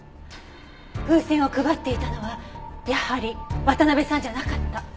風船を配っていたのはやはり渡辺さんじゃなかった。